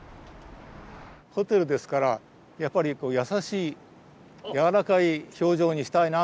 ホテルですからやっぱり優しい柔らかい表情にしたいなと。